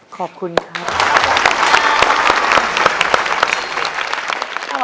ขอบคุณครับ